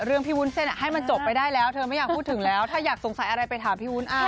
พี่วุ้นเส้นให้มันจบไปได้แล้วเธอไม่อยากพูดถึงแล้วถ้าอยากสงสัยอะไรไปถามพี่วุ้น